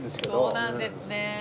そうなんですね。